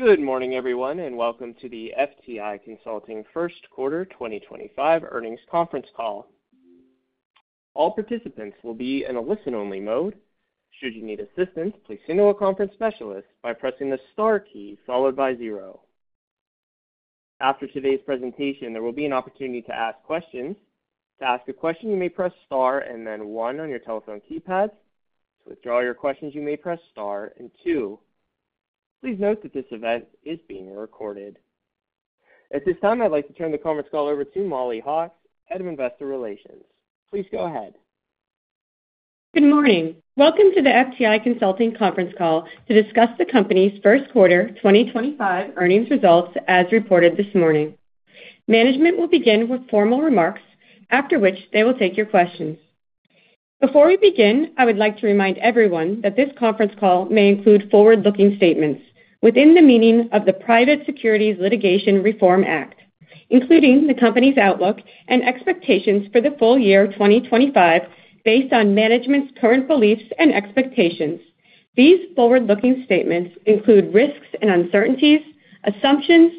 Good morning, everyone, and welcome to the FTI Consulting First Quarter 2025 earnings conference call. All participants will be in a listen-only mode. Should you need assistance, please signal a conference specialist by pressing the star key followed by zero. After today's presentation, there will be an opportunity to ask questions. To ask a question, you may press star and then one on your telephone keypad. To withdraw your questions, you may press star and two. Please note that this event is being recorded. At this time, I'd like to turn the conference call over to Mollie Hawkes, Head of Investor Relations. Please go ahead. Good morning. Welcome to the FTI Consulting conference call to discuss the company's first quarter 2025 earnings results as reported this morning. Management will begin with formal remarks, after which they will take your questions. Before we begin, I would like to remind everyone that this conference call may include forward-looking statements within the meaning of the Private Securities Litigation Reform Act, including the company's outlook and expectations for the full year 2025 based on management's current beliefs and expectations. These forward-looking statements include risks and uncertainties, assumptions,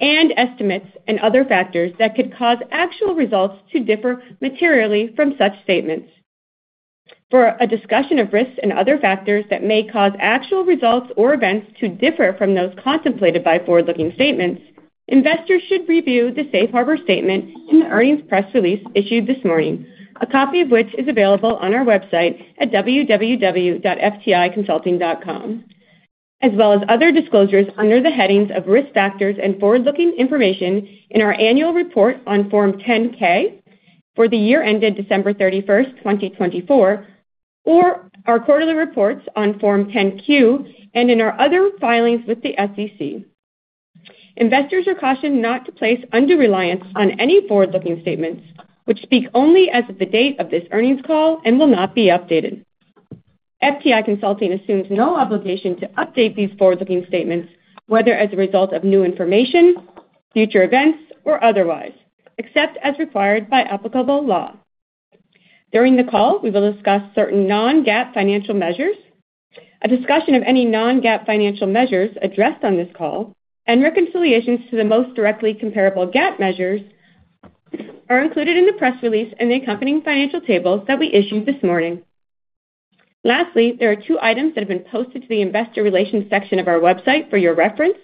and estimates, and other factors that could cause actual results to differ materially from such statements. For a discussion of risks and other factors that may cause actual results or events to differ from those contemplated by forward-looking statements, investors should review the Safe Harbor Statement in the earnings press release issued this morning, a copy of which is available on our website at www.fticonsulting.com, as well as other disclosures under the headings of risk factors and forward-looking information in our annual report on Form 10-K for the year ended December 31st, 2024, or our quarterly reports on Form 10-Q and in our other filings with the SEC. Investors are cautioned not to place undue reliance on any forward-looking statements, which speak only as of the date of this earnings call and will not be updated. FTI Consulting assumes no obligation to update these forward-looking statements, whether as a result of new information, future events, or otherwise, except as required by applicable law. During the call, we will discuss certain non-GAAP financial measures. A discussion of any non-GAAP financial measures addressed on this call and reconciliations to the most directly comparable GAAP measures are included in the press release and the accompanying financial tables that we issued this morning. Lastly, there are two items that have been posted to the investor relations section of our website for your reference.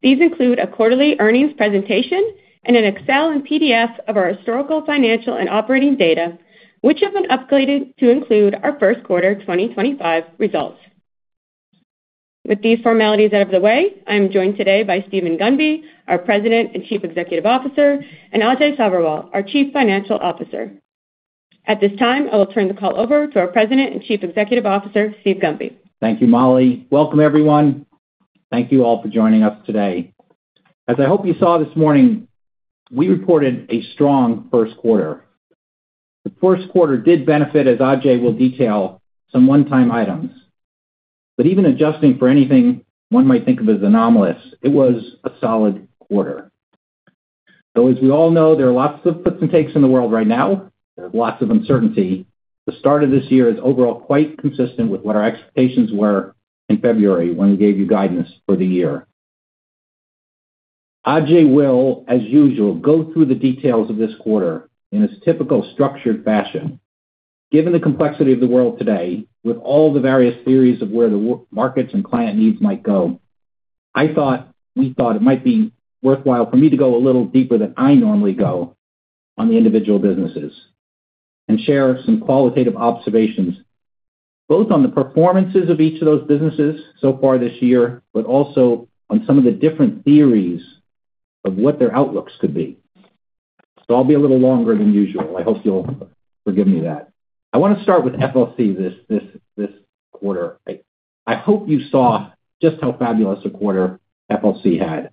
These include a quarterly earnings presentation and an Excel and PDF of our historical financial and operating data, which have been upgraded to include our first quarter 2025 results. With these formalities out of the way, I'm joined today by Steven Gunby, our President and Chief Executive Officer, and Ajay Sabherwal, our Chief Financial Officer. At this time, I will turn the call over to our President and Chief Executive Officer, Steve Gunby. Thank you, Mollie. Welcome, everyone. Thank you all for joining us today. As I hope you saw this morning, we reported a strong first quarter. The first quarter did benefit, as Ajay will detail, some one-time items. Even adjusting for anything one might think of as anomalous, it was a solid quarter. As we all know, there are lots of puts and takes in the world right now. There is lots of uncertainty. The start of this year is overall quite consistent with what our expectations were in February when we gave you guidance for the year. Ajay will, as usual, go through the details of this quarter in his typical structured fashion. Given the complexity of the world today, with all the various theories of where the markets and client needs might go, I thought we thought it might be worthwhile for me to go a little deeper than I normally go on the individual businesses and share some qualitative observations both on the performances of each of those businesses so far this year, but also on some of the different theories of what their outlooks could be. I'll be a little longer than usual. I hope you'll forgive me that. I want to start with FLC this quarter. I hope you saw just how fabulous a quarter FLC had.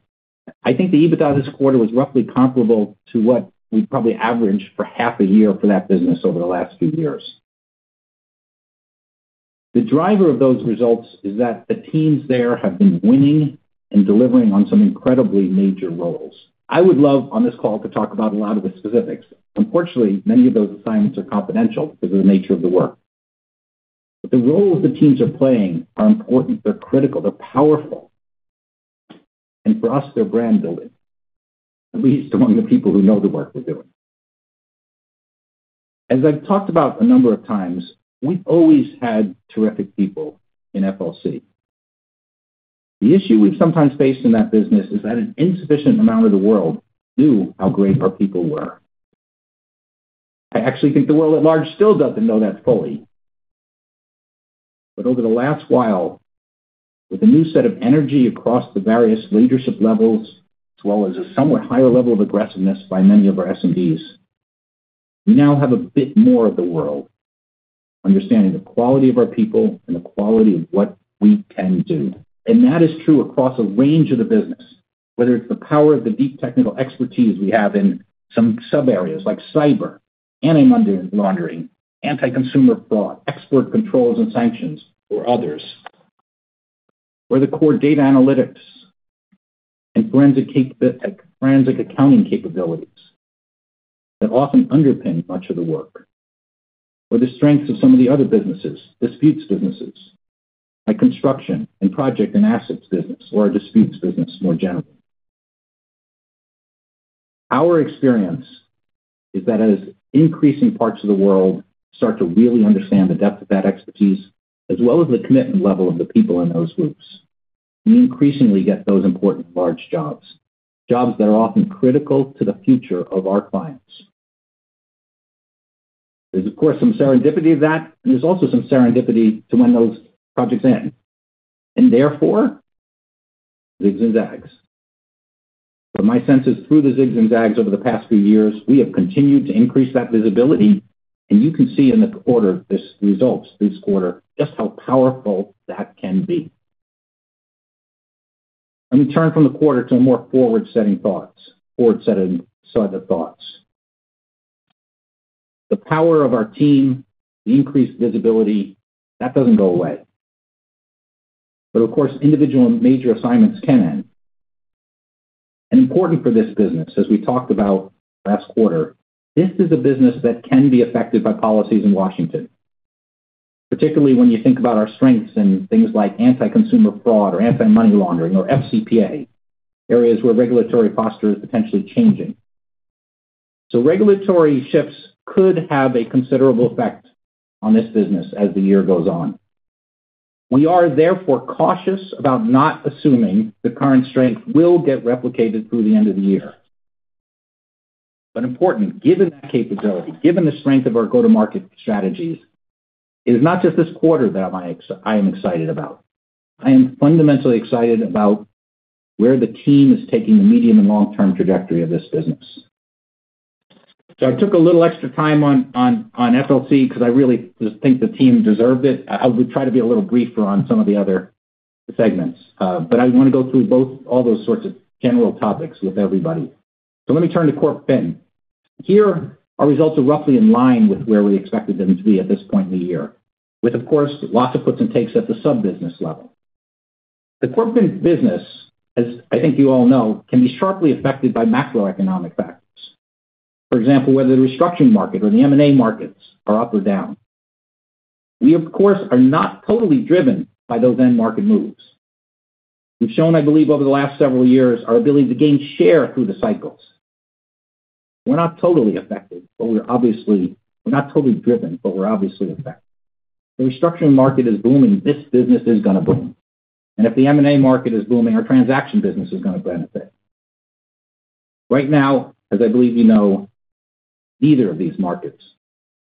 I think the EBITDA this quarter was roughly comparable to what we probably averaged for half a year for that business over the last few years. The driver of those results is that the teams there have been winning and delivering on some incredibly major roles. I would love on this call to talk about a lot of the specifics. Unfortunately, many of those assignments are confidential because of the nature of the work. The roles the teams are playing are important. They're critical. They're powerful. For us, they're brand building, at least among the people who know the work we're doing. As I've talked about a number of times, we've always had terrific people in FLC. The issue we've sometimes faced in that business is that an insufficient amount of the world knew how great our people were. I actually think the world at large still doesn't know that fully. Over the last while, with a new set of energy across the various leadership levels, as well as a somewhat higher level of aggressiveness by many of our SMBs, we now have a bit more of the world understanding the quality of our people and the quality of what we can do. That is true across a range of the business, whether it's the power of the deep technical expertise we have in some sub-areas like cyber, anti-money laundering, anti-consumer fraud, export controls and sanctions, or others, or the core data analytics and forensic accounting capabilities that often underpin much of the work, or the strengths of some of the other businesses, disputes businesses, like construction and project and assets business, or a disputes business more generally. Our experience is that as increasing parts of the world start to really understand the depth of that expertise, as well as the commitment level of the people in those groups, we increasingly get those important large jobs, jobs that are often critical to the future of our clients. There is, of course, some serendipity of that, and there is also some serendipity to when those projects end. Therefore, zigs and zags. My sense is through the zigs and zags over the past few years, we have continued to increase that visibility. You can see in the order of this results this quarter just how powerful that can be. Let me turn from the quarter to more forward-setting thoughts, forward-setting sort of thoughts. The power of our team, the increased visibility, that does not go away. Of course, individual and major assignments can end. Important for this business, as we talked about last quarter, this is a business that can be affected by policies in Washington, particularly when you think about our strengths in things like anti-consumer fraud or anti-money laundering or FCPA, areas where regulatory posture is potentially changing. Regulatory shifts could have a considerable effect on this business as the year goes on. We are therefore cautious about not assuming the current strength will get replicated through the end of the year. Important, given that capability, given the strength of our go-to-market strategies, it is not just this quarter that I am excited about. I am fundamentally excited about where the team is taking the medium and long-term trajectory of this business. I took a little extra time on FLC because I really just think the team deserved it. I would try to be a little briefer on some of the other segments. I want to go through both all those sorts of general topics with everybody. Let me turn to Corp Fin. Here, our results are roughly in line with where we expected them to be at this point in the year, with, of course, lots of puts and takes at the sub-business level. The Corp Fin business, as I think you all know, can be sharply affected by macroeconomic factors. For example, whether the restructuring market or the M&A markets are up or down. We, of course, are not totally driven by those end market moves. We've shown, I believe, over the last several years our ability to gain share through the cycles. We're not totally affected, but we're obviously not totally driven, but we're obviously affected. The restructuring market is booming. This business is going to boom. If the M&A market is booming, our transaction business is going to benefit. Right now, as I believe you know, neither of these markets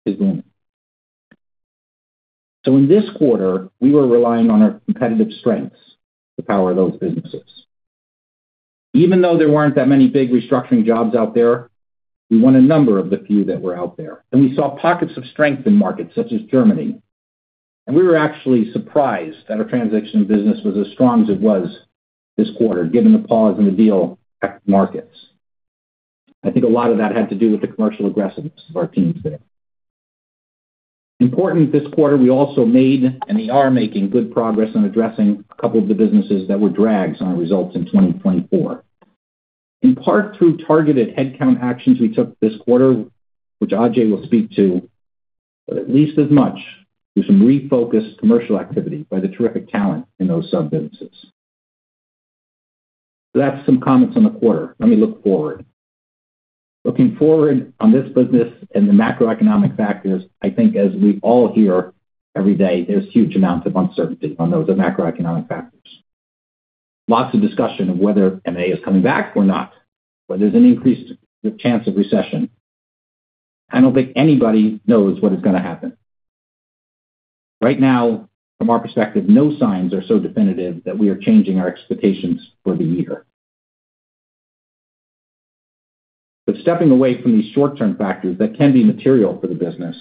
is booming. In this quarter, we were relying on our competitive strengths to power those businesses. Even though there were not that many big restructuring jobs out there, we won a number of the few that were out there. We saw pockets of strength in markets such as Germany. We were actually surprised that our transaction business was as strong as it was this quarter, given the pause in the deal markets. I think a lot of that had to do with the commercial aggressiveness of our teams there. Importantly, this quarter, we also made and we are making good progress on addressing a couple of the businesses that were drags on our results in 2024. In part, through targeted headcount actions we took this quarter, which Ajay will speak to, but at least as much through some refocused commercial activity by the terrific talent in those sub-businesses. That is some comments on the quarter. Let me look forward. Looking forward on this business and the macroeconomic factors, I think as we all hear every day, there is huge amounts of uncertainty on those macroeconomic factors. Lots of discussion of whether M&A is coming back or not, whether there is an increased chance of recession. I do not think anybody knows what is going to happen. Right now, from our perspective, no signs are so definitive that we are changing our expectations for the year. Stepping away from these short-term factors that can be material for the business,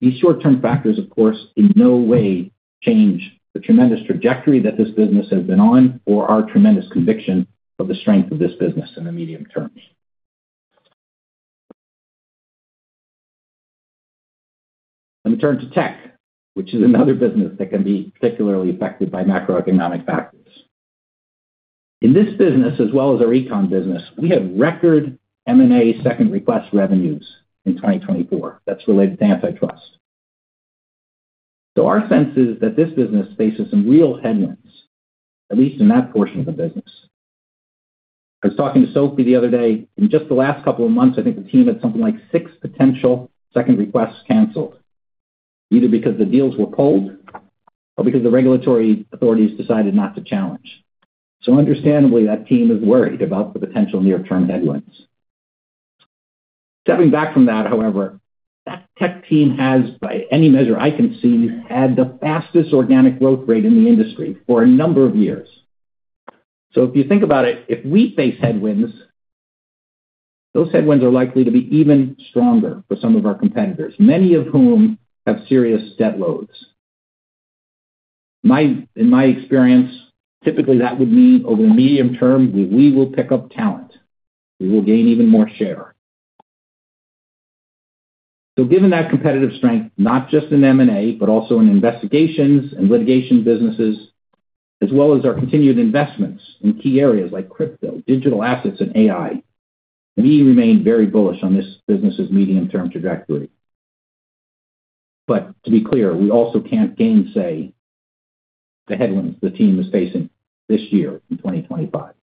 these short-term factors, of course, in no way change the tremendous trajectory that this business has been on or our tremendous conviction of the strength of this business in the medium term. Let me turn to tech, which is another business that can be particularly affected by macroeconomic factors. In this business, as well as our econ business, we had record M&A second request revenues in 2024 that's related to antitrust. Our sense is that this business faces some real headwinds, at least in that portion of the business. I was talking to Sophie the other day. In just the last couple of months, I think the team had something like six potential second requests canceled, either because the deals were pulled or because the regulatory authorities decided not to challenge. Understandably, that team is worried about the potential near-term headwinds. Stepping back from that, however, that tech team has, by any measure I can see, had the fastest organic growth rate in the industry for a number of years. If you think about it, if we face headwinds, those headwinds are likely to be even stronger for some of our competitors, many of whom have serious debt loads. In my experience, typically that would mean over the medium term, we will pick up talent. We will gain even more share. Given that competitive strength, not just in M&A, but also in investigations and litigation businesses, as well as our continued investments in key areas like crypto, digital assets, and AI, we remain very bullish on this business's medium-term trajectory. To be clear, we also can't gainsay the headwinds the team is facing this year in 2025.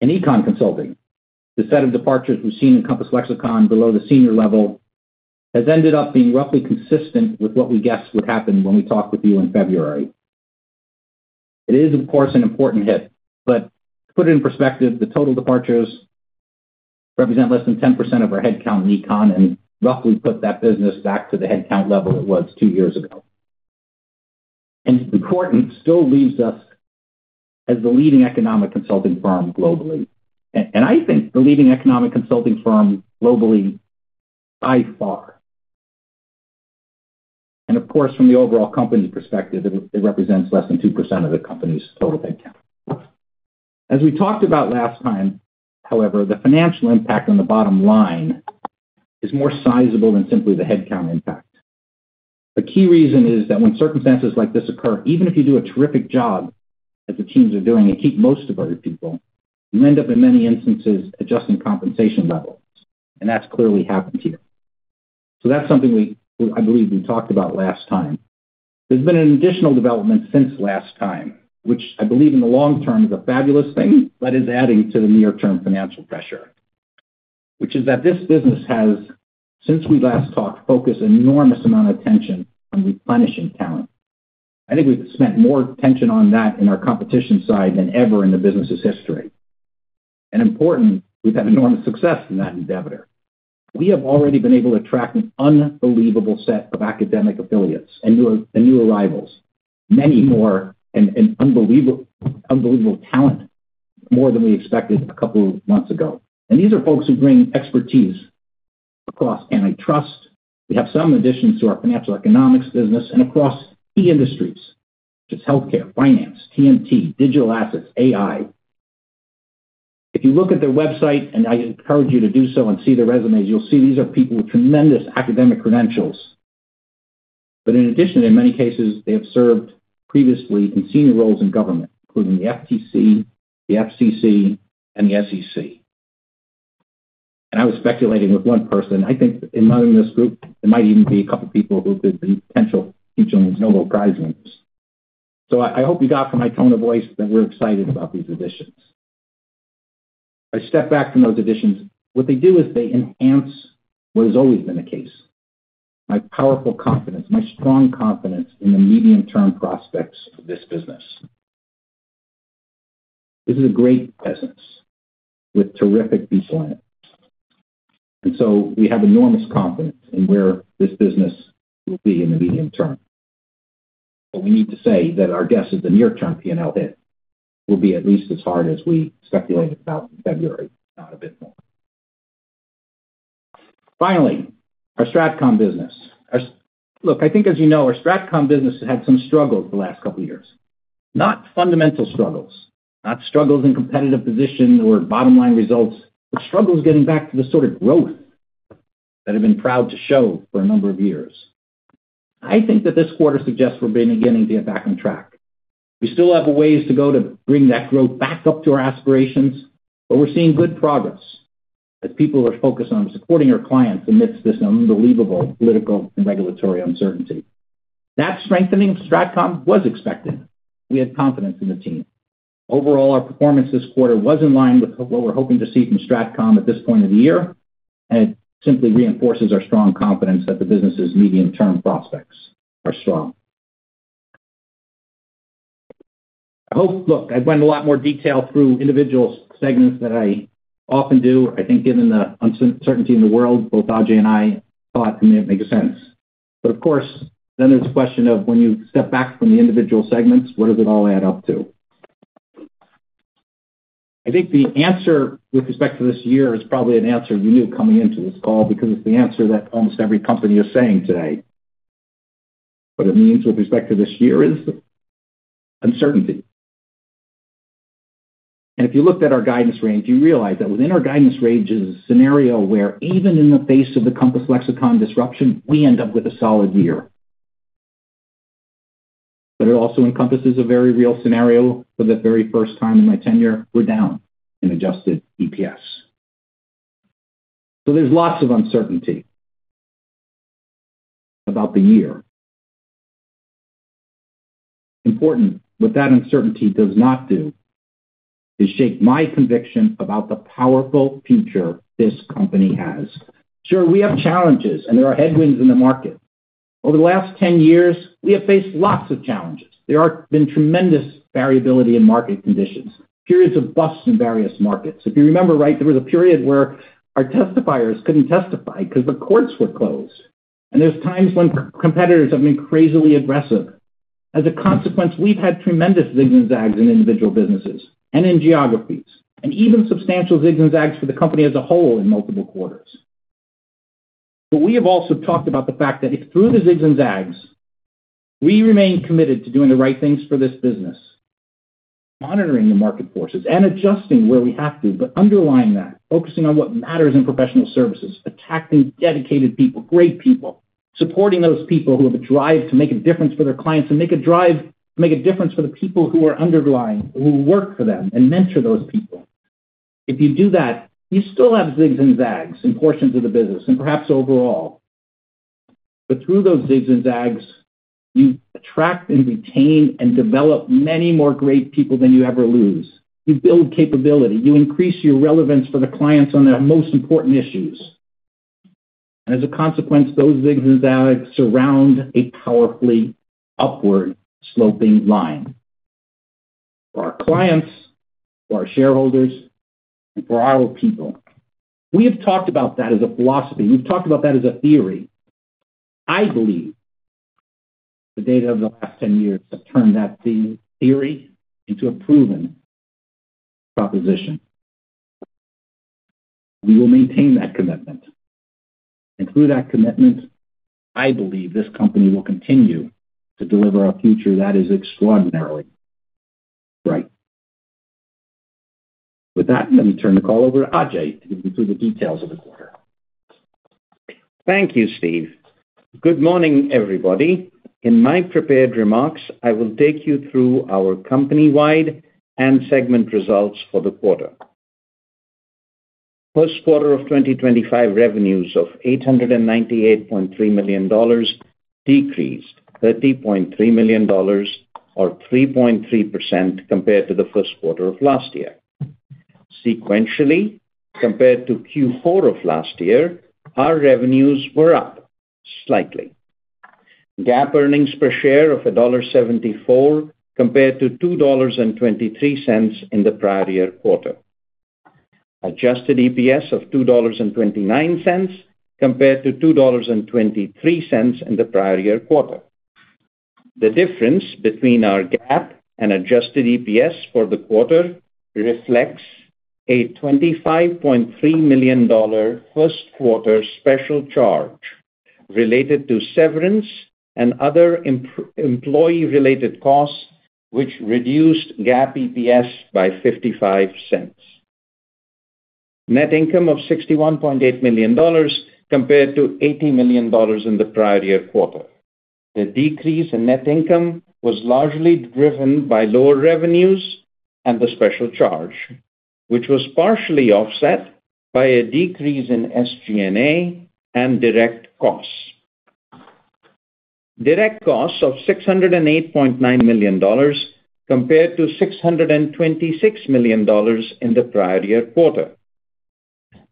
In econ consulting, the set of departures we've seen in Compass Lexecon below the senior level has ended up being roughly consistent with what we guessed would happen when we talked with you in February. It is, of course, an important hit. To put it in perspective, the total departures represent less than 10% of our headcount in Econ and roughly put that business back to the headcount level it was two years ago. Importantly, it still leaves us as the leading economic consulting firm globally. I think the leading economic consulting firm globally by far. Of course, from the overall company perspective, it represents less than 2% of the company's total headcount. As we talked about last time, however, the financial impact on the bottom line is more sizable than simply the headcount impact. A key reason is that when circumstances like this occur, even if you do a terrific job as the teams are doing and keep most of our people, you end up in many instances adjusting compensation levels. That is clearly happened here. That is something I believe we talked about last time. There has been an additional development since last time, which I believe in the long term is a fabulous thing, but is adding to the near-term financial pressure, which is that this business has, since we last talked, focused an enormous amount of attention on replenishing talent. I think we have spent more attention on that in our competition side than ever in the business's history. Important, we have had enormous success in that endeavor. We have already been able to attract an unbelievable set of academic affiliates and new arrivals, many more and unbelievable talent, more than we expected a couple of months ago. These are folks who bring expertise across antitrust. We have some additions to our financial economics business and across key industries, which is healthcare, finance, TMT, digital assets, AI. If you look at their website, and I encourage you to do so and see the resumes, you'll see these are people with tremendous academic credentials. In addition, in many cases, they have served previously in senior roles in government, including the FTC, the FCC, and the SEC. I was speculating with one person. I think in this group, there might even be a couple of people who could be potential regional Nobel Prize winners. I hope you got from my tone of voice that we're excited about these additions. If I step back from those additions, what they do is they enhance what has always been the case: my powerful confidence, my strong confidence in the medium-term prospects of this business. This is a great presence with terrific people in it. We have enormous confidence in where this business will be in the medium term. We need to say that our guess is the near-term P&L hit will be at least as hard as we speculated about in February, not a bit more. Finally, our Stratcom business. Look, I think, as you know, our Stratcom business has had some struggles the last couple of years. Not fundamental struggles, not struggles in competitive position or bottom-line results, but struggles getting back to the sort of growth that have been proud to show for a number of years. I think that this quarter suggests we're beginning to get back on track. We still have ways to go to bring that growth back up to our aspirations, but we're seeing good progress as people are focused on supporting our clients amidst this unbelievable political and regulatory uncertainty. That strengthening of Stratcom was expected. We had confidence in the team. Overall, our performance this quarter was in line with what we're hoping to see from Stratcom at this point of the year. It simply reinforces our strong confidence that the business's medium-term prospects are strong. I hope, look, I went in a lot more detail through individual segments than I often do. I think given the uncertainty in the world, both Ajay and I thought it made sense. Of course, then there's a question of when you step back from the individual segments, what does it all add up to? I think the answer with respect to this year is probably an answer you knew coming into this call because it's the answer that almost every company is saying today. What it means with respect to this year is uncertainty. If you looked at our guidance range, you realize that within our guidance range is a scenario where even in the face of the Compass Lexecon disruption, we end up with a solid year. It also encompasses a very real scenario for the very first time in my tenure, we're down in adjusted EPS. There is lots of uncertainty about the year. Important, what that uncertainty does not do is shake my conviction about the powerful future this company has. Sure, we have challenges, and there are headwinds in the market. Over the last 10 years, we have faced lots of challenges. There have been tremendous variability in market conditions, periods of buzz in various markets. If you remember, right, there was a period where our testifiers couldn't testify because the courts were closed. There are times when competitors have been crazily aggressive. As a consequence, we've had tremendous zigs and zags in individual businesses and in geographies, and even substantial zigs and zags for the company as a whole in multiple quarters. We have also talked about the fact that if through the zigs and zags, we remain committed to doing the right things for this business, monitoring the market forces and adjusting where we have to, but underlying that, focusing on what matters in professional services, attracting dedicated people, great people, supporting those people who have a drive to make a difference for their clients and make a drive to make a difference for the people who are underlying, who work for them and mentor those people. If you do that, you still have zigs and zags in portions of the business and perhaps overall. Through those zigs and zags, you attract and retain and develop many more great people than you ever lose. You build capability. You increase your relevance for the clients on their most important issues. As a consequence, those zigs and zags surround a powerfully upward-sloping line for our clients, for our shareholders, and for our people. We have talked about that as a philosophy. We've talked about that as a theory. I believe the data of the last 10 years have turned that theory into a proven proposition. We will maintain that commitment. Through that commitment, I believe this company will continue to deliver a future that is extraordinarily bright. With that, let me turn the call over to Ajay to give you the details of the quarter. Thank you, Steve. Good morning, everybody. In my prepared remarks, I will take you through our company-wide and segment results for the quarter. First quarter of 2025 revenues of $898.3 million decreased $30.3 million, or 3.3% compared to the first quarter of last year. Sequentially, compared to Q4 of last year, our revenues were up slightly. GAAP earnings per share of $1.74 compared to $2.23 in the prior year quarter. Adjusted EPS of $2.29 compared to $2.23 in the prior year quarter. The difference between our GAAP and adjusted EPS for the quarter reflects a $25.3 million first quarter special charge related to severance and other employee-related costs, which reduced GAAP EPS by $0.55. Net income of $61.8 million compared to $80 million in the prior year quarter. The decrease in net income was largely driven by lower revenues and the special charge, which was partially offset by a decrease in SG&A and direct costs. Direct costs of $608.9 million compared to $626 million in the prior year quarter.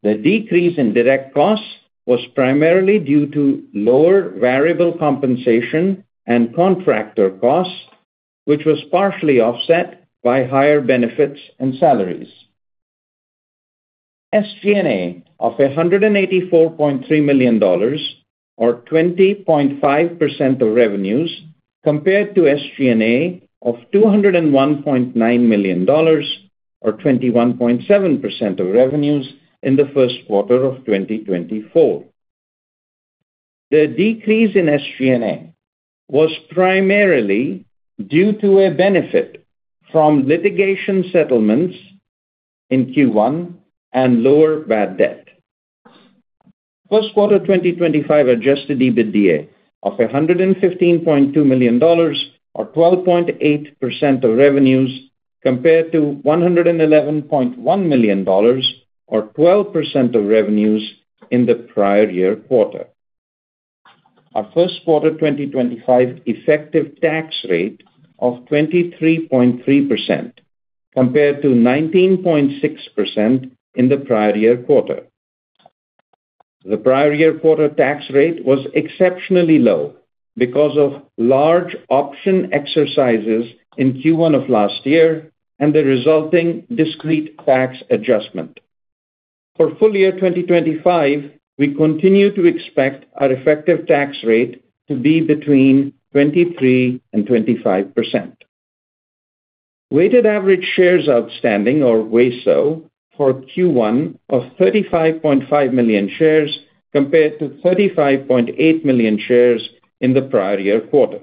The decrease in direct costs was primarily due to lower variable compensation and contractor costs, which was partially offset by higher benefits and salaries. SG&A of $184.3 million, or 20.5% of revenues, compared to SG&A of $201.9 million, or 21.7% of revenues in the first quarter of 2024. The decrease in SG&A was primarily due to a benefit from litigation settlements in Q1 and lower bad debt. First quarter 2025 adjusted EBITDA of $115.2 million, or 12.8% of revenues, compared to $111.1 million, or 12% of revenues in the prior year quarter. Our first quarter 2025 effective tax rate of 23.3% compared to 19.6% in the prior year quarter. The prior year quarter tax rate was exceptionally low because of large option exercises in Q1 of last year and the resulting discrete tax adjustment. For full year 2025, we continue to expect our effective tax rate to be between 23%-25%. Weighted average shares outstanding, or WASO, for Q1 of 35.5 million shares compared to 35.8 million shares in the prior year quarter.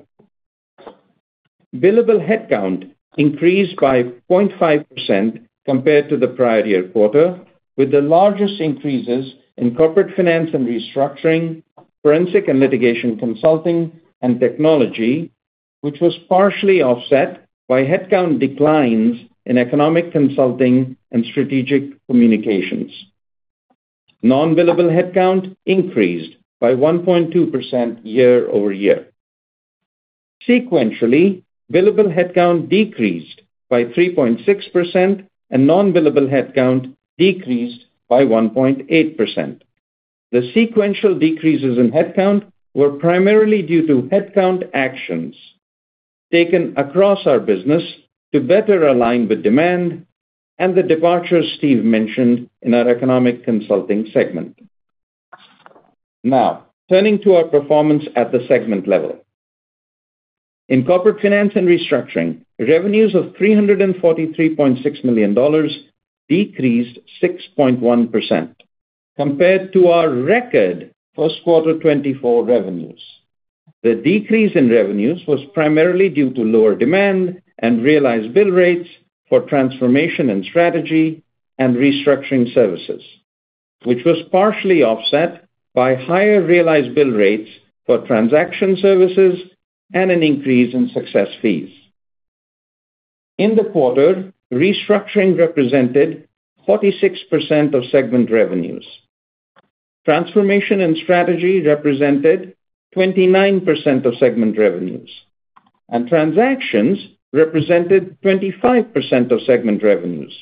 Billable headcount increased by 0.5% compared to the prior year quarter, with the largest increases in Corporate Finance & Restructuring, Forensic & Litigation Consulting, and Technology, which was partially offset by headcount declines in Economic Consulting and Strategic Communications. Non-billable headcount increased by 1.2% year-over-year. Sequentially, billable headcount decreased by 3.6% and non-billable headcount decreased by 1.8%. The sequential decreases in headcount were primarily due to headcount actions taken across our business to better align with demand and the departures Steve mentioned in our Economic Consulting segment. Now, turning to our performance at the segment level. In Corporate Finance & Restructuring, revenues of $343.6 million decreased 6.1% compared to our record first quarter 2024 revenues. The decrease in revenues was primarily due to lower demand and realized bill rates for transformation and strategy and restructuring services, which was partially offset by higher realized bill rates for transaction services and an increase in success fees. In the quarter, restructuring represented 46% of segment revenues. Transformation and strategy represented 29% of segment revenues. Transactions represented 25% of segment revenues.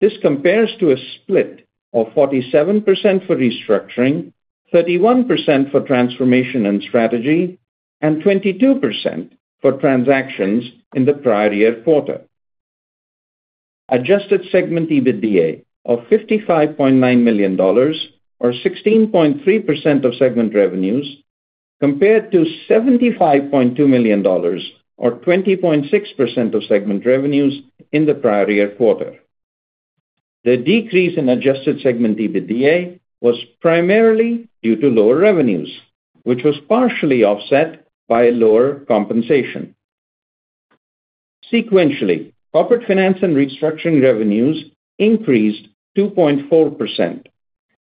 This compares to a split of 47% for restructuring, 31% for transformation and strategy, and 22% for transactions in the prior year quarter. Adjusted segment EBITDA of $55.9 million, or 16.3% of segment revenues, compared to $75.2 million, or 20.6% of segment revenues in the prior year quarter. The decrease in adjusted segment EBITDA was primarily due to lower revenues, which was partially offset by lower compensation. Sequentially, Corporate Finance & Restructuring revenues increased 2.4%,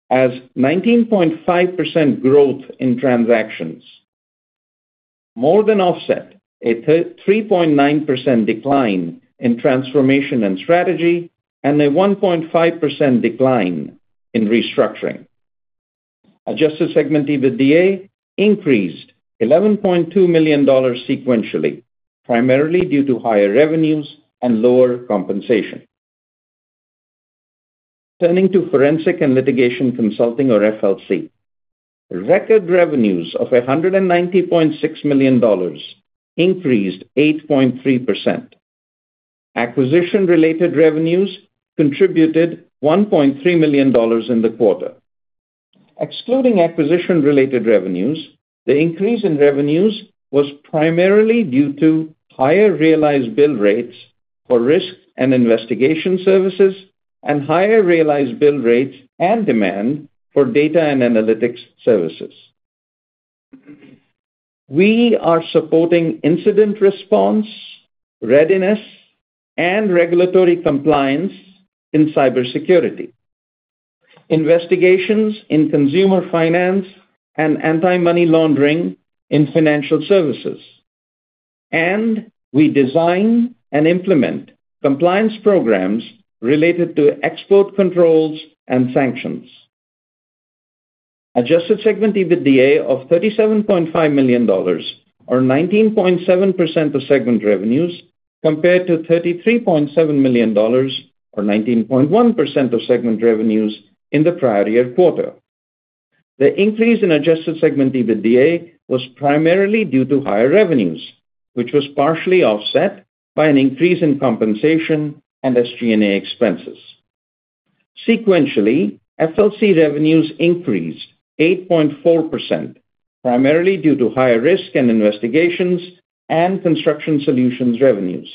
as 19.5% growth in transactions more than offset a 3.9% decline in transformation and strategy and a 1.5% decline in restructuring. Adjusted segment EBITDA increased $11.2 million sequentially, primarily due to higher revenues and lower compensation. Turning to Forensic & Litigation Consulting, or FLC. Record revenues of $190.6 million increased 8.3%. Acquisition-related revenues contributed $1.3 million in the quarter. Excluding acquisition-related revenues, the increase in revenues was primarily due to higher realized bill rates for risk and investigation services and higher realized bill rates and demand for data and analytics services. We are supporting incident response, readiness, and regulatory compliance in cybersecurity, investigations in consumer finance and anti-money laundering in financial services. We design and implement compliance programs related to export controls and sanctions. Adjusted segment EBITDA of $37.5 million, or 19.7% of segment revenues, compared to $33.7 million, or 19.1% of segment revenues in the prior year quarter. The increase in adjusted segment EBITDA was primarily due to higher revenues, which was partially offset by an increase in compensation and SG&A expenses. Sequentially, FLC revenues increased 8.4%, primarily due to higher risk and investigations and construction solutions revenues.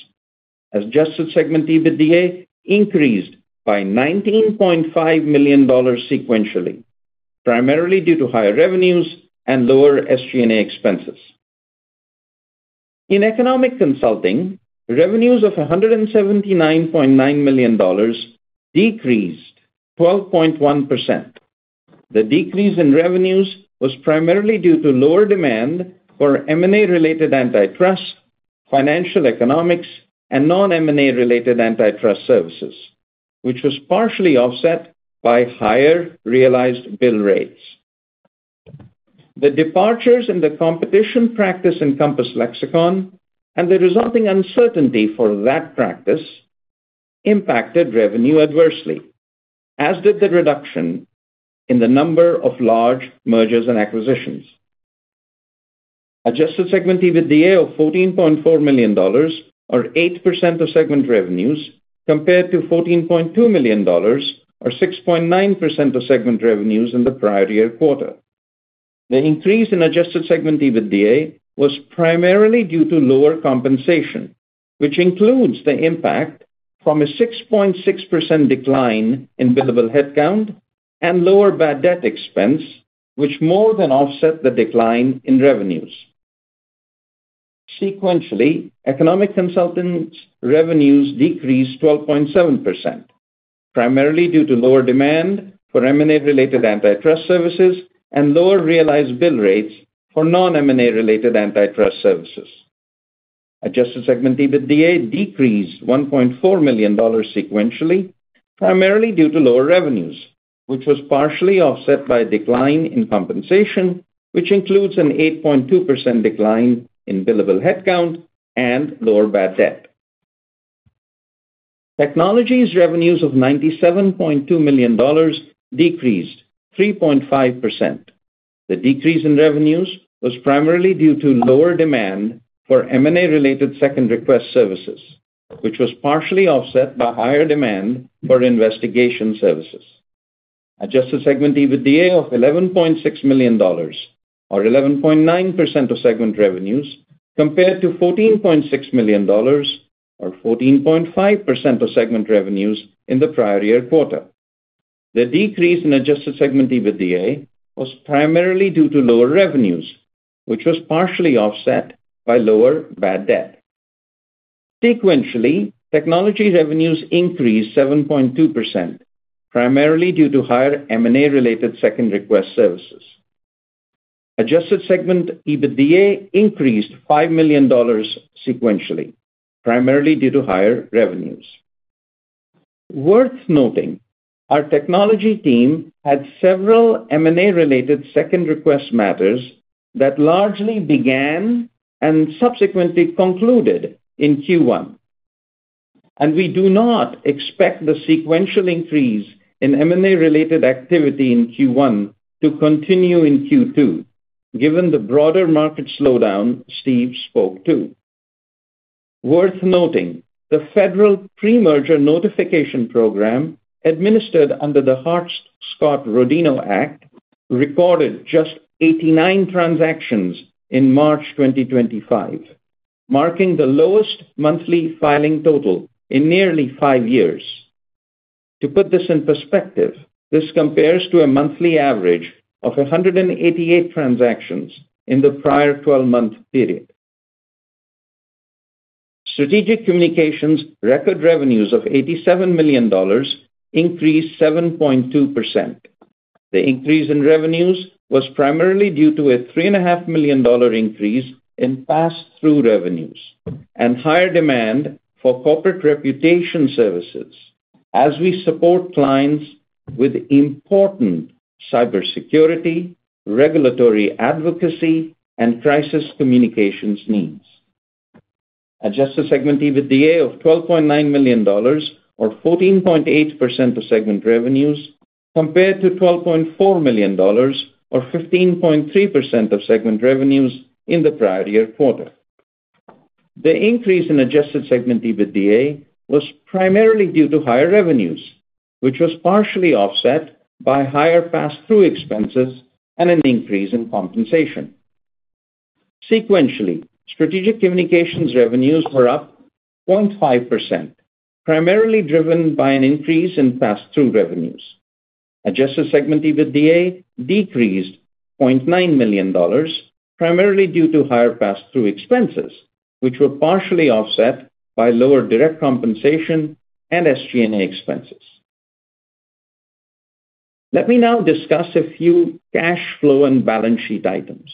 Adjusted segment EBITDA increased by $19.5 million sequentially, primarily due to higher revenues and lower SG&A expenses. In Economic Consulting, revenues of $179.9 million decreased 12.1%. The decrease in revenues was primarily due to lower demand for M&A-related antitrust, financial economics, and non-M&A-related antitrust services, which was partially offset by higher realized bill rates. The departures in the competition practice in Compass Lexecon and the resulting uncertainty for that practice impacted revenue adversely, as did the reduction in the number of large mergers and acquisitions. Adjusted segment EBITDA of $14.4 million, or 8% of segment revenues, compared to $14.2 million, or 6.9% of segment revenues in the prior year quarter. The increase in adjusted segment EBITDA was primarily due to lower compensation, which includes the impact from a 6.6% decline in billable headcount and lower bad debt expense, which more than offset the decline in revenues. Sequentially, Economic Consultants' revenues decreased 12.7%, primarily due to lower demand for M&A-related antitrust services and lower realized bill rates for non-M&A-related antitrust services. Adjusted segment EBITDA decreased $1.4 million sequentially, primarily due to lower revenues, which was partially offset by a decline in compensation, which includes an 8.2% decline in billable headcount and lower bad debt. Technology's revenues of $97.2 million decreased 3.5%. The decrease in revenues was primarily due to lower demand for M&A-related second request services, which was partially offset by higher demand for investigation services. Adjusted segment EBITDA of $11.6 million, or 11.9% of segment revenues, compared to $14.6 million, or 14.5% of segment revenues in the prior year quarter. The decrease in adjusted segment EBITDA was primarily due to lower revenues, which was partially offset by lower bad debt. Sequentially, Technology revenues increased 7.2%, primarily due to higher M&A-related second request services. Adjusted segment EBITDA increased $5 million sequentially, primarily due to higher revenues. Worth noting, our technology team had several M&A-related second request matters that largely began and subsequently concluded in Q1. We do not expect the sequential increase in M&A-related activity in Q1 to continue in Q2, given the broader market slowdown Steve spoke to. Worth noting, the Federal Premerger Notification Program administered under the Hart-Scott-Rodino Act recorded just 89 transactions in March 2025, marking the lowest monthly filing total in nearly five years. To put this in perspective, this compares to a monthly average of 188 transactions in the prior 12-month period. Strategic Communications record revenues of $87 million increased 7.2%. The increase in revenues was primarily due to a $3.5 million increase in pass-through revenues and higher demand for corporate reputation services, as we support clients with important cybersecurity, regulatory advocacy, and crisis communications needs. Adjusted segment EBITDA of $12.9 million, or 14.8% of segment revenues, compared to $12.4 million, or 15.3% of segment revenues in the prior year quarter. The increase in adjusted segment EBITDA was primarily due to higher revenues, which was partially offset by higher pass-through expenses and an increase in compensation. Sequentially, Strategic Communications revenues were up 0.5%, primarily driven by an increase in pass-through revenues. Adjusted segment EBITDA decreased $0.9 million, primarily due to higher pass-through expenses, which were partially offset by lower direct compensation and SG&A expenses. Let me now discuss a few cash flow and balance sheet items.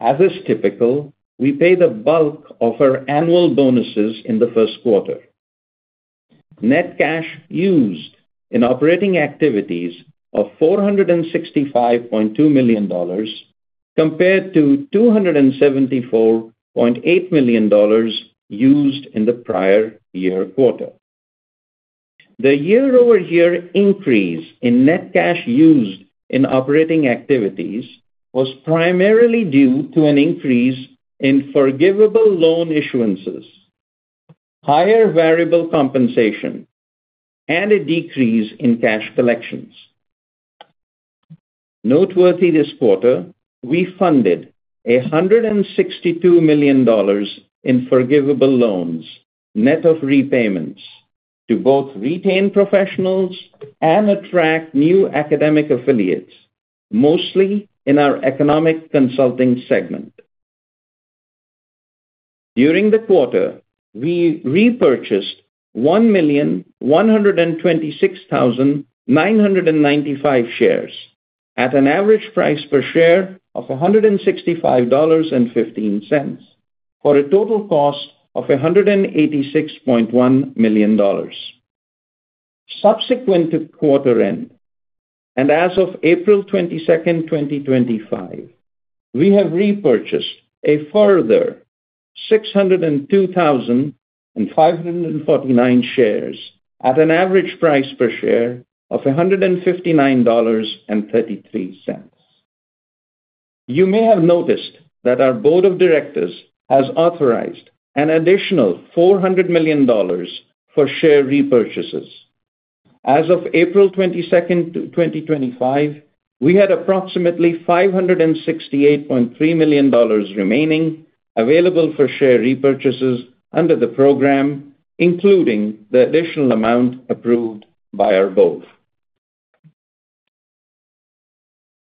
As is typical, we pay the bulk of our annual bonuses in the first quarter. Net cash used in operating activities of $465.2 million compared to $274.8 million used in the prior year quarter. The year-over-year increase in net cash used in operating activities was primarily due to an increase in forgivable loan issuances, higher variable compensation, and a decrease in cash collections. Noteworthy this quarter, we funded $162 million in forgivable loans net of repayments to both retain professionals and attract new academic affiliates, mostly in our Economic Consulting segment. During the quarter, we repurchased 1,126,995 shares at an average price per share of $165.15 for a total cost of $186.1 million. Subsequent to quarter end and as of April 22, 2025, we have repurchased a further 602,549 shares at an average price per share of $159.33. You may have noticed that our Board of Directors has authorized an additional $400 million for share repurchases. As of April 22nd, 2025, we had approximately $568.3 million remaining available for share repurchases under the program, including the additional amount approved by our Board.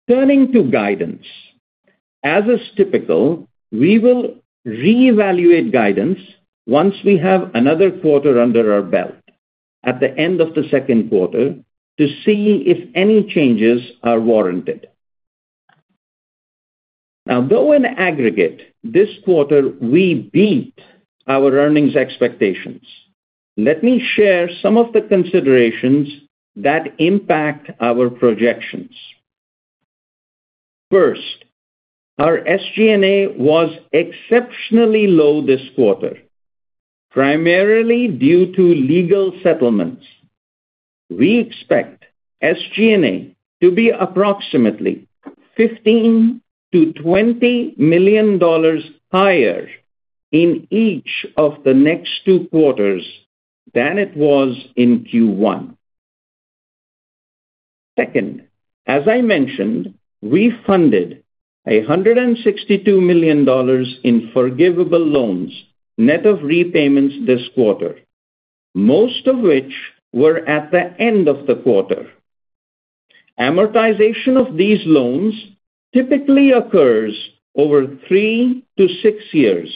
Turning to guidance. As is typical, we will reevaluate guidance once we have another quarter under our belt at the end of the second quarter to see if any changes are warranted. Now, though in aggregate, this quarter we beat our earnings expectations. Let me share some of the considerations that impact our projections. First, our SG&A was exceptionally low this quarter, primarily due to legal settlements. We expect SG&A to be approximately $15 million-$20 million higher in each of the next two quarters than it was in Q1. Second, as I mentioned, we funded $162 million in forgivable loans net of repayments this quarter, most of which were at the end of the quarter. Amortization of these loans typically occurs over three to six years,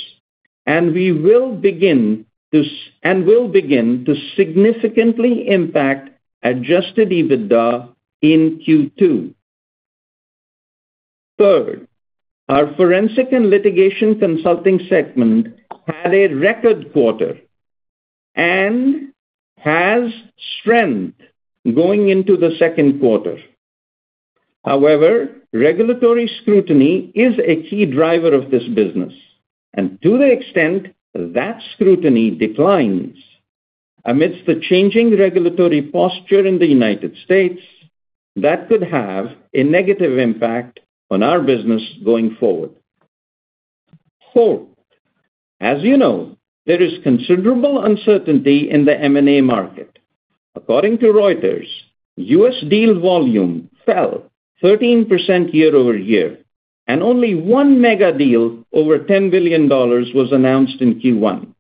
and we will begin to significantly impact adjusted EBITDA in Q2. Third, our Forensic and Litigation Consulting segment had a record quarter and has strength going into the second quarter. However, regulatory scrutiny is a key driver of this business, and to the extent that scrutiny declines amidst the changing regulatory posture in the U.S., that could have a negative impact on our business going forward. Fourth, as you know, there is considerable uncertainty in the M&A market. According to Reuters, U.S. deal volume fell 13% year-over-year, and only one mega deal over $10 billion was announced in Q1.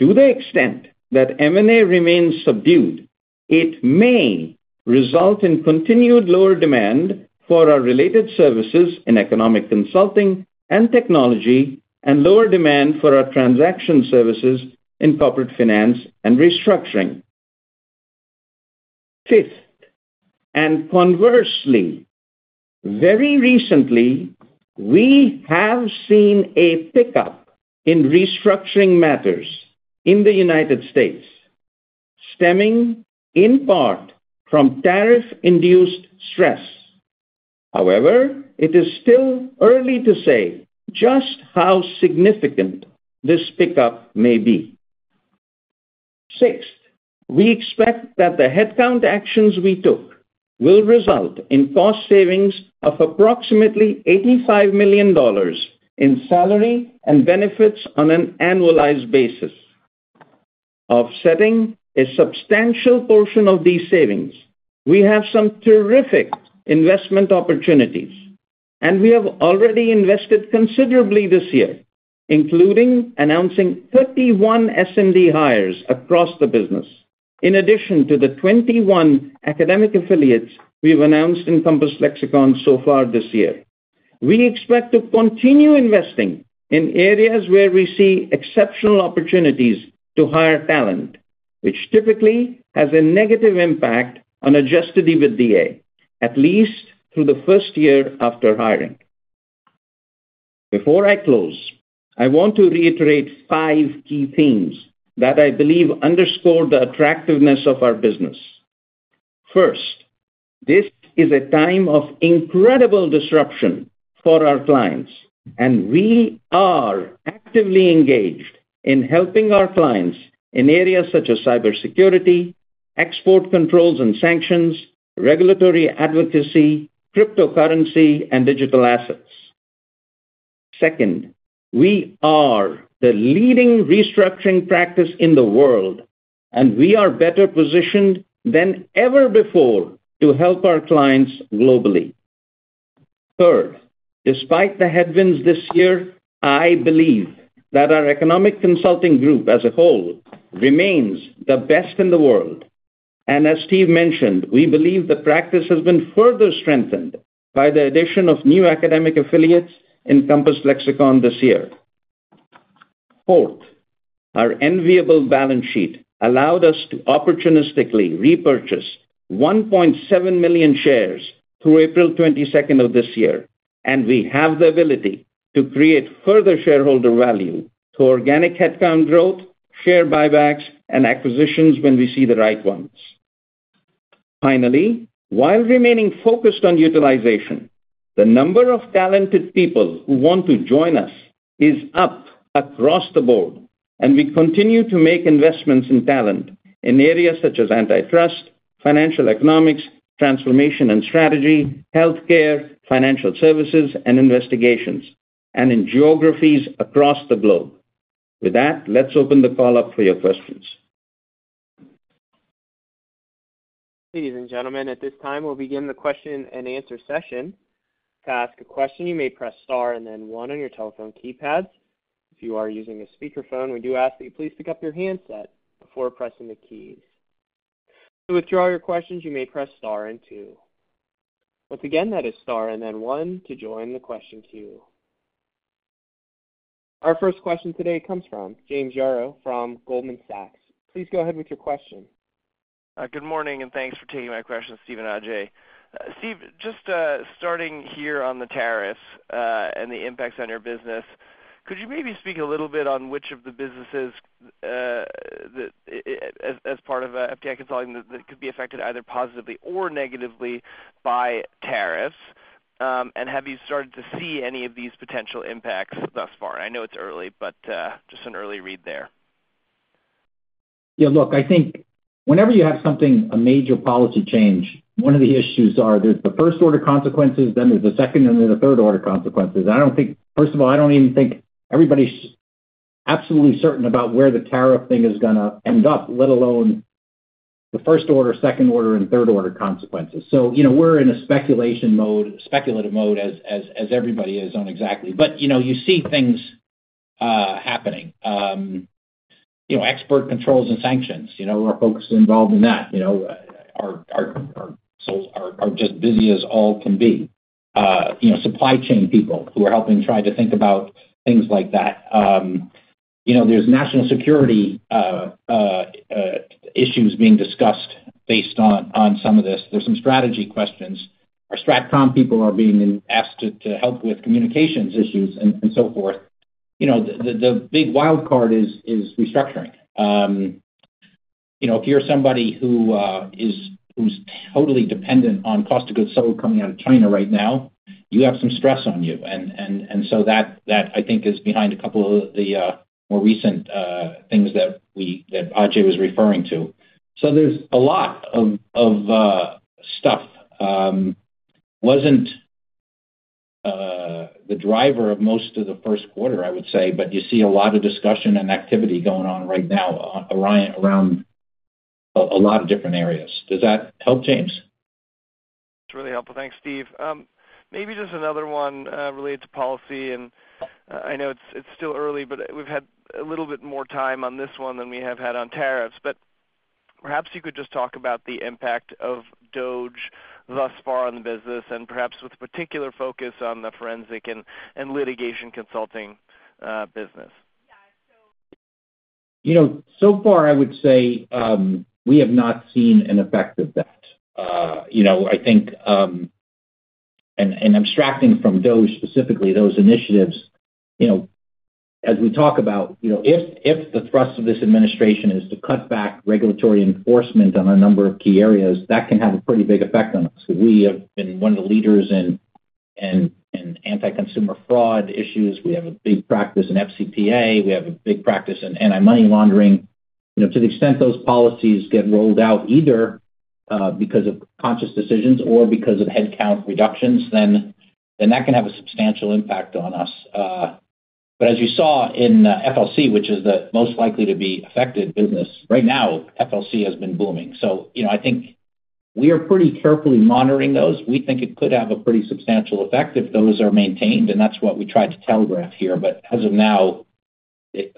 To the extent that M&A remains subdued, it may result in continued lower demand for our related services in Economic Consulting and Technology and lower demand for our transaction services in Corporate Finance & Restructuring. Fifth, and conversely, very recently, we have seen a pickup in restructuring matters in the U.S., stemming in part from tariff-induced stress. However, it is still early to say just how significant this pickup may be. Sixth, we expect that the headcount actions we took will result in cost savings of approximately $85 million in salary and benefits on an annualized basis. Offsetting a substantial portion of these savings, we have some terrific investment opportunities, and we have already invested considerably this year, including announcing 31 S&D hires across the business, in addition to the 21 academic affiliates we've announced in Compass Lexecon so far this year. We expect to continue investing in areas where we see exceptional opportunities to hire talent, which typically has a negative impact on adjusted EBITDA, at least through the first year after hiring. Before I close, I want to reiterate five key themes that I believe underscore the attractiveness of our business. First, this is a time of incredible disruption for our clients, and we are actively engaged in helping our clients in areas such as cybersecurity, export controls and sanctions, regulatory advocacy, cryptocurrency, and digital assets. Second, we are the leading restructuring practice in the world, and we are better positioned than ever before to help our clients globally. Third, despite the headwinds this year, I believe that our Economic Consulting group as a whole remains the best in the world. As Steve mentioned, we believe the practice has been further strengthened by the addition of new academic affiliates in Compass Lexecon this year. Fourth, our enviable balance sheet allowed us to opportunistically repurchase 1.7 million shares through April 22nd of this year, and we have the ability to create further shareholder value through organic headcount growth, share buybacks, and acquisitions when we see the right ones. Finally, while remaining focused on utilization, the number of talented people who want to join us is up across the board, and we continue to make investments in talent in areas such as antitrust, financial economics, transformation and strategy, healthcare, financial services, and investigations, and in geographies across the globe. With that, let's open the call up for your questions. Ladies and gentlemen, at this time, we'll begin the question and answer session. To ask a question, you may press star and then one on your telephone keypad. If you are using a speakerphone, we do ask that you please pick up your handset before pressing the keys. To withdraw your questions, you may press star and two. Once again, that is star and then one to join the question queue. Our first question today comes from James Yaro from Goldman Sachs. Please go ahead with your question. Good morning, and thanks for taking my question, Steven, Ajay. Steve, just starting here on the tariffs and the impacts on your business, could you maybe speak a little bit on which of the businesses, as part of FTI Consulting, that could be affected either positively or negatively by tariffs? Have you started to see any of these potential impacts thus far? I know it's early, but just an early read there. Yeah, look, I think whenever you have something, a major policy change, one of the issues are there's the first-order consequences, then there's the second, and then the third-order consequences. I don't think, first of all, I don't even think everybody's absolutely certain about where the tariff thing is going to end up, let alone the first-order, second-order, and third-order consequences. We are in a speculative mode as everybody is on exactly. You see things happening. Export controls and sanctions are folks involved in that, are just busy as all can be. Supply chain people who are helping try to think about things like that. There are national security issues being discussed based on some of this. There are some strategy questions. Our Stratcom people are being asked to help with communications issues and so forth. The big wild card is restructuring. If you're somebody who's totally dependent on cost of goods sold coming out of China right now, you have some stress on you. That, I think, is behind a couple of the more recent things that Ajay was referring to. There is a lot of stuff. Wasn't the driver of most of the first quarter, I would say, but you see a lot of discussion and activity going on right now around a lot of different areas. Does that help, James? That's really helpful. Thanks, Steve. Maybe just another one related to policy. I know it's still early, but we've had a little bit more time on this one than we have had on tariffs. Perhaps you could just talk about the impact of DOGE thus far on the business, and perhaps with a particular focus on the Forensic and Litigation Consulting business. Yeah. So far, I would say we have not seen an effect of that. I think, and abstracting from DOGE specifically, those initiatives, as we talk about, if the thrust of this administration is to cut back regulatory enforcement on a number of key areas, that can have a pretty big effect on us. We have been one of the leaders in anti-consumer fraud issues. We have a big practice in FCPA. We have a big practice in anti-money laundering. To the extent those policies get rolled out either because of conscious decisions or because of headcount reductions, that can have a substantial impact on us. As you saw in FLC, which is the most likely to be affected business, right now, FLC has been booming. I think we are pretty carefully monitoring those. We think it could have a pretty substantial effect if those are maintained, and that is what we tried to telegraph here. As of now,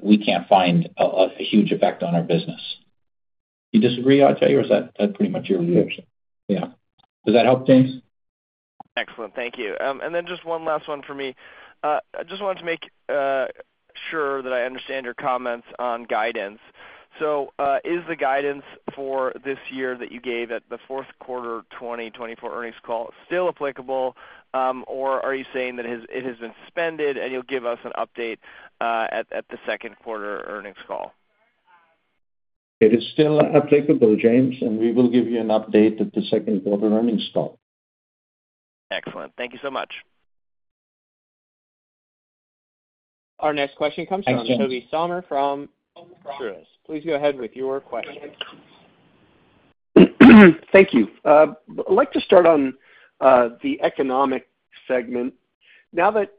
we cannot find a huge effect on our business. You disagree, Ajay, or is that pretty much your reaction? Yeah. Does that help, James? Excellent. Thank you. One last one for me. I just wanted to make sure that I understand your comments on guidance. Is the guidance for this year that you gave at the fourth quarter 2024 earnings call still applicable, or are you saying that it has been suspended, and you'll give us an update at the second quarter earnings call? It is still applicable, James, and we will give you an update at the second quarter earnings call. Excellent. Thank you so much. Our next question comes from Tobey Sommer from Truist. Please go ahead with your question. Thank you. I'd like to start on the economic segment. Now that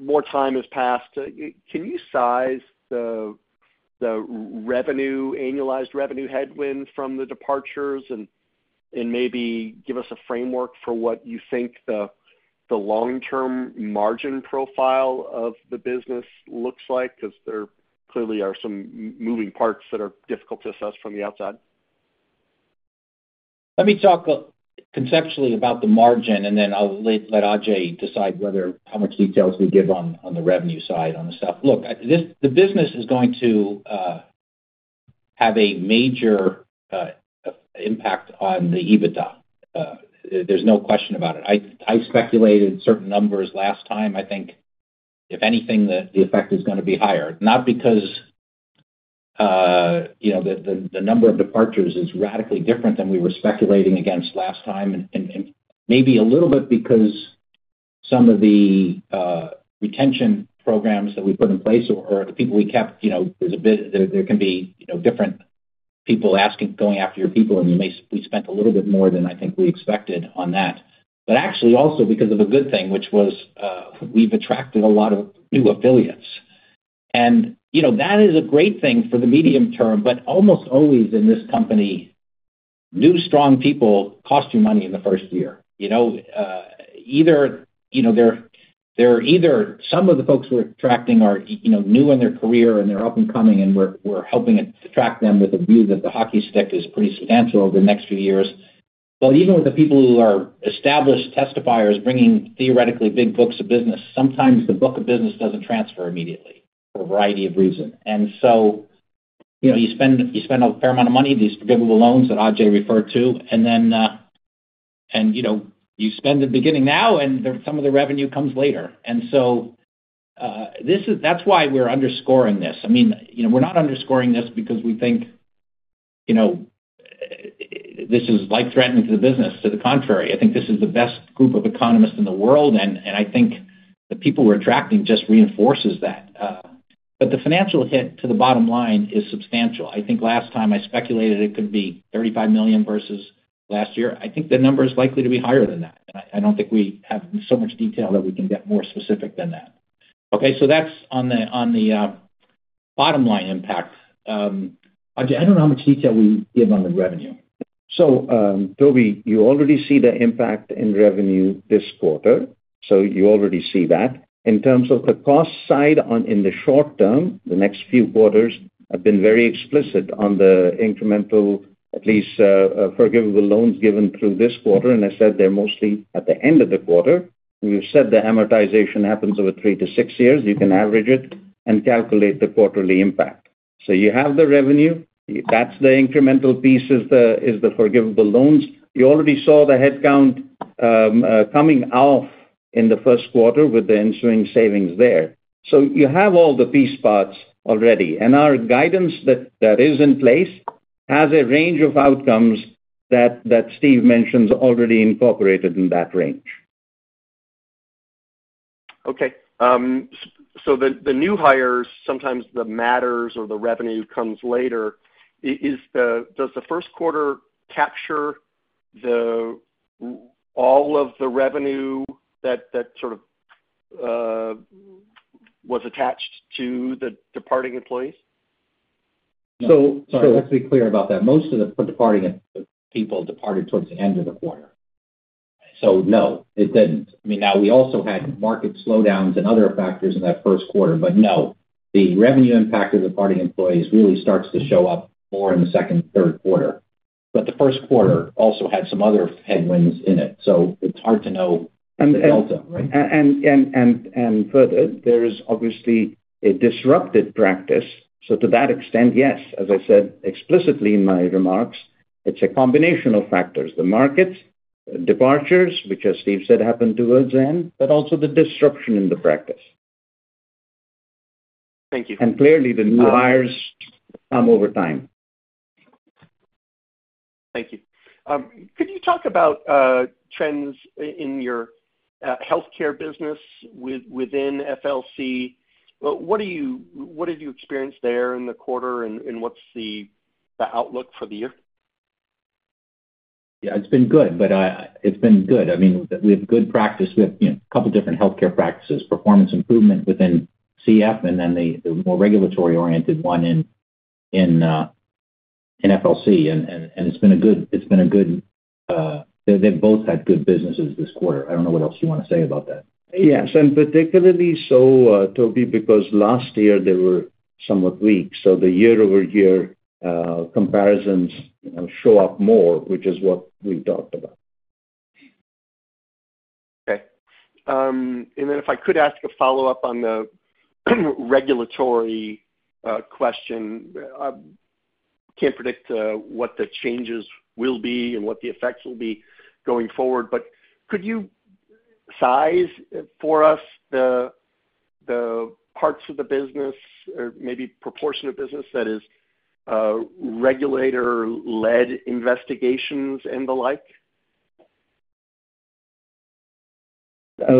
more time has passed, can you size the annualized revenue headwind from the departures and maybe give us a framework for what you think the long-term margin profile of the business looks like? Because there clearly are some moving parts that are difficult to assess from the outside. Let me talk conceptually about the margin, and then I'll let Ajay decide how much details we give on the revenue side on the stuff. Look, the business is going to have a major impact on the EBITDA. There's no question about it. I speculated certain numbers last time. I think, if anything, the effect is going to be higher. Not because the number of departures is radically different than we were speculating against last time, and maybe a little bit because some of the retention programs that we put in place or the people we kept, there can be different people going after your people, and we spent a little bit more than I think we expected on that. Actually, also because of a good thing, which was we've attracted a lot of new affiliates. That is a great thing for the medium term, but almost always in this company, new strong people cost you money in the first year. Some of the folks we're attracting are new in their career, and they're up and coming, and we're helping attract them with a view that the hockey stick is pretty substantial over the next few years. Even with the people who are established testifiers bringing theoretically big books of business, sometimes the book of business doesn't transfer immediately for a variety of reasons. You spend a fair amount of money, these forgivable loans that Ajay referred to, and you spend the beginning now, and some of the revenue comes later. That is why we're underscoring this. I mean, we're not underscoring this because we think this is life-threatening to the business. To the contrary, I think this is the best group of economists in the world, and I think the people we're attracting just reinforces that. The financial hit to the bottom line is substantial. I think last time I speculated it could be $35 million versus last year. I think the number is likely to be higher than that. I do not think we have so much detail that we can get more specific than that. That is on the bottom line impact. I do not know how much detail we give on the revenue. Tobey, you already see the impact in revenue this quarter. You already see that. In terms of the cost side in the short term, the next few quarters, I've been very explicit on the incremental, at least forgivable loans given through this quarter, and I said they're mostly at the end of the quarter. We've said the amortization happens over three to six years. You can average it and calculate the quarterly impact. You have the revenue. That's the incremental piece is the forgivable loans. You already saw the headcount coming off in the first quarter with the ensuing savings there. You have all the piece parts already. Our guidance that is in place has a range of outcomes that Steve mentions already incorporated in that range. Okay. The new hires, sometimes the matters or the revenue comes later. Does the first quarter capture all of the revenue that sort of was attached to the departing employees? Let's be clear about that. Most of the departing people departed towards the end of the quarter. No, it didn't. I mean, now we also had market slowdowns and other factors in that first quarter, but no, the revenue impact of the departing employees really starts to show up more in the second and third quarter. The first quarter also had some other headwinds in it. It's hard to know the delta. Further, there is obviously a disrupted practice. To that extent, yes, as I said explicitly in my remarks, it's a combination of factors: the markets, the departures, which, as Steve said, happened towards the end, but also the disruption in the practice. Thank you. Clearly, the new hires come over time. Thank you. Could you talk about trends in your healthcare business within FLC? What have you experienced there in the quarter, and what's the outlook for the year? Yeah, it's been good. It's been good. I mean, we have good practice with a couple of different healthcare practices, performance improvement within CF, and then the more regulatory-oriented one in FLC. It's been a good, they've both had good businesses this quarter. I don't know what else you want to say about that. Yes, and particularly so, Tobey, because last year they were somewhat weak. The year-over-year comparisons show up more, which is what we've talked about. Okay. If I could ask a follow-up on the regulatory question, I can't predict what the changes will be and what the effects will be going forward. Could you size for us the parts of the business, or maybe proportion of business that is regulator-led investigations and the like? That's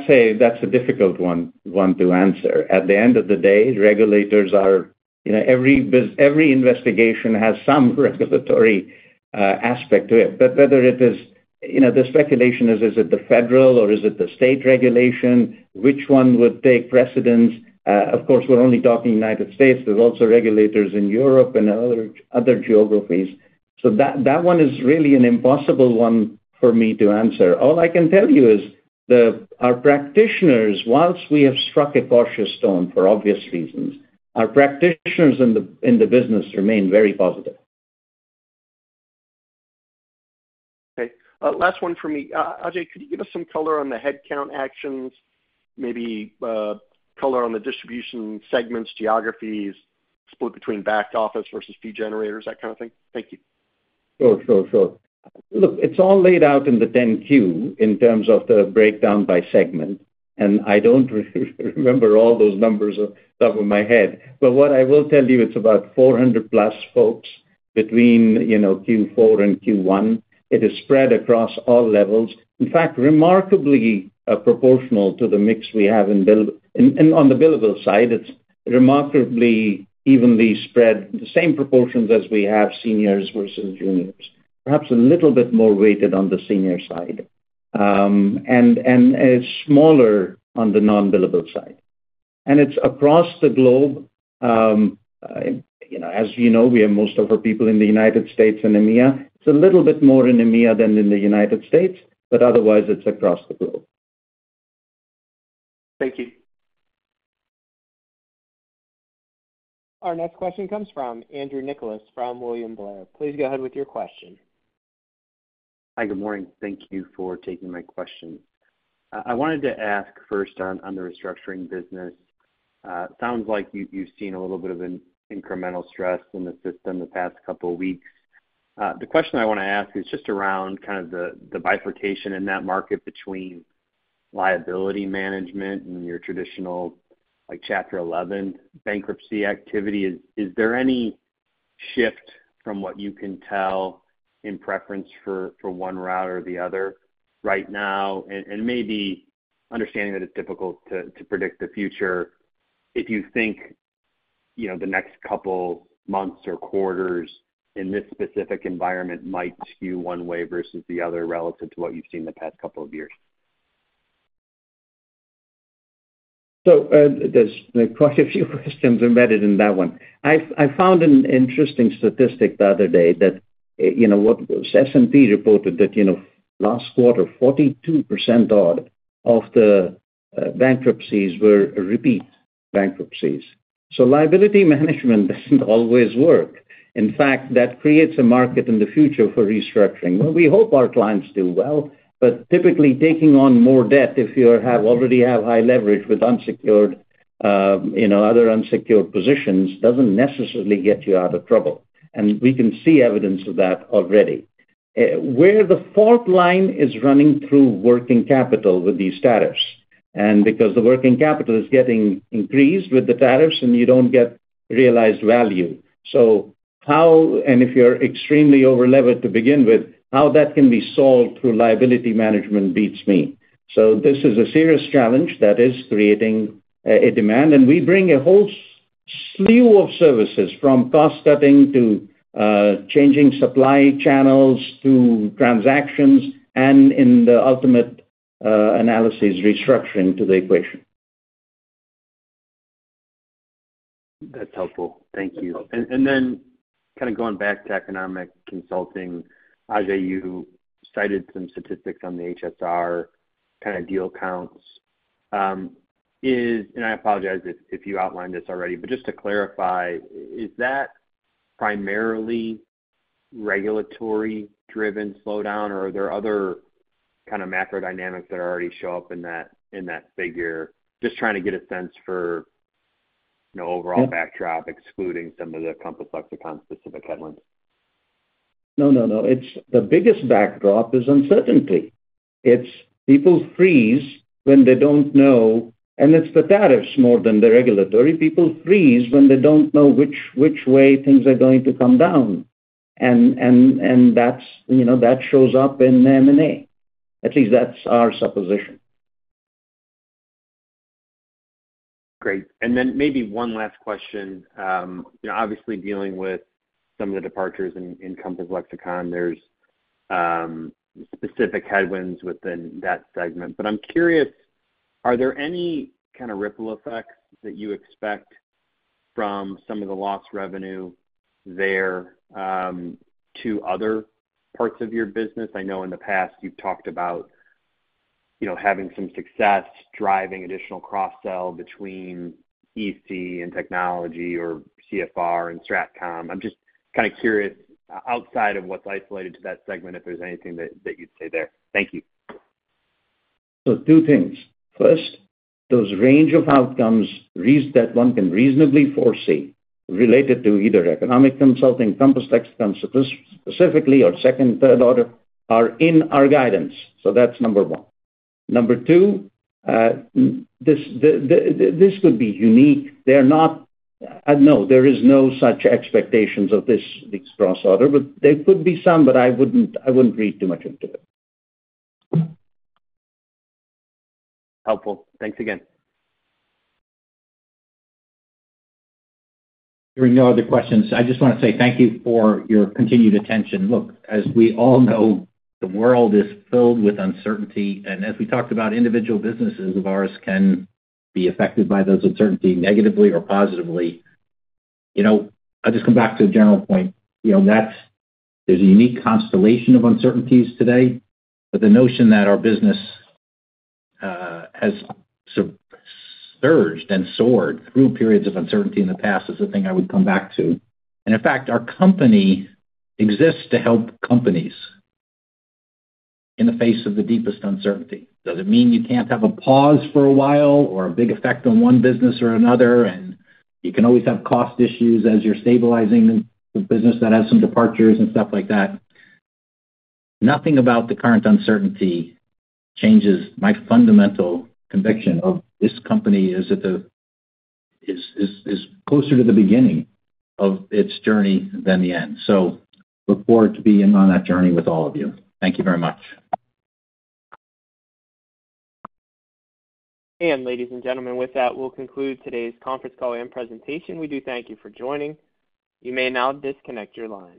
a difficult one to answer. At the end of the day, regulators are every investigation has some regulatory aspect to it. But whether it is the speculation is, is it the federal or is it the state regulation? Which one would take precedence? Of course, we're only talking United States. There's also regulators in Europe and other geographies. That one is really an impossible one for me to answer. All I can tell you is our practitioners, whilst we have struck a cautious tone for obvious reasons, our practitioners in the business remain very positive. Okay. Last one for me. Ajay, could you give us some color on the headcount actions, maybe color on the distribution segments, geographies, split between back office versus fee generators, that kind of thing? Thank you. Sure, sure, sure. Look, it's all laid out in the 10-Q in terms of the breakdown by segment. I don't remember all those numbers off the top of my head. What I will tell you, it's about 400+ folks between Q4 and Q1. It is spread across all levels. In fact, remarkably proportional to the mix we have on the billable side. It's remarkably evenly spread, the same proportions as we have seniors versus juniors. Perhaps a little bit more weighted on the senior side, and smaller on the non-billable side. It's across the globe. As you know, we have most of our people in the United States and EMEA. It's a little bit more in EMEA than in the United States, but otherwise, it's across the globe. Thank you. Our next question comes from Andrew Nicholas from William Blair. Please go ahead with your question. Hi, good morning. Thank you for taking my question. I wanted to ask first on the restructuring business. It sounds like you've seen a little bit of an incremental stress in the system the past couple of weeks. The question I want to ask is just around kind of the bifurcation in that market between liability management and your traditional Chapter 11 bankruptcy activity. Is there any shift from what you can tell in preference for one route or the other right now? Maybe understanding that it's difficult to predict the future, if you think the next couple of months or quarters in this specific environment might skew one way versus the other relative to what you've seen the past couple of years? There are quite a few questions embedded in that one. I found an interesting statistic the other day that S&P reported that last quarter, 42% of the bankruptcies were repeat bankruptcies. Liability management does not always work. In fact, that creates a market in the future for restructuring. We hope our clients do well, but typically taking on more debt if you already have high leverage with other unsecured positions does not necessarily get you out of trouble. We can see evidence of that already. The fault line is running through working capital with these tariffs. Because the working capital is getting increased with the tariffs, and you do not get realized value. If you are extremely over-levered to begin with, how that can be solved through liability management beats me. This is a serious challenge that is creating a demand. We bring a whole slew of services from cost-cutting to changing supply channels to transactions, and in the ultimate analysis, restructuring to the equation. That's helpful. Thank you. Kind of going back to economic consulting, Ajay, you cited some statistics on the HSR kind of deal counts. I apologize if you outlined this already, but just to clarify, is that primarily regulatory-driven slowdown, or are there other kind of macro dynamics that already show up in that figure? Just trying to get a sense for the overall backdrop, excluding some of the Compass Lexecon specific headlines. No, no, no. The biggest backdrop is uncertainty. People freeze when they do not know. It is the tariffs more than the regulatory. People freeze when they do not know which way things are going to come down. That shows up in M&A. At least that is our supposition. Great. Maybe one last question. Obviously, dealing with some of the departures in Compass Lexecon, there are specific headwinds within that segment. I am curious, are there any kind of ripple effects that you expect from some of the lost revenue there to other parts of your business? I know in the past you have talked about having some success driving additional cross-sell between EC and Technology or CFR and Stratcom. I am just kind of curious, outside of what is isolated to that segment, if there is anything that you would say there? Thank you. Two things. First, those range of outcomes that one can reasonably foresee related to either Economic Consulting, Compass Lexecon specifically, or second, third order, are in our guidance. That is number one. Number two, this could be unique. No, there is no such expectations of this cross-order, but there could be some, but I wouldn't read too much into it. Helpful. Thanks again. There are no other questions. I just want to say thank you for your continued attention. Look, as we all know, the world is filled with uncertainty. As we talked about, individual businesses of ours can be affected by those uncertainties negatively or positively. I'll just come back to a general point. There's a unique constellation of uncertainties today. The notion that our business has surged and soared through periods of uncertainty in the past is a thing I would come back to. In fact, our company exists to help companies in the face of the deepest uncertainty. Does it mean you can't have a pause for a while or a big effect on one business or another? You can always have cost issues as you're stabilizing the business that has some departures and stuff like that. Nothing about the current uncertainty changes my fundamental conviction this company is closer to the beginning of its journey than the end. I look forward to being on that journey with all of you. Thank you very much. Ladies and gentlemen, with that, we'll conclude today's conference call and presentation. We do thank you for joining. You may now disconnect your lines.